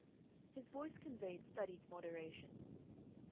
His voice conveyed studied moderation.